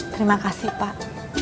terima kasih pak